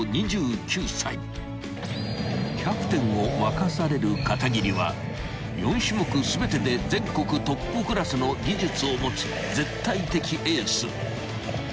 ［キャプテンを任される片桐は４種目全てで全国トップクラスの技術を持つ絶対的エース］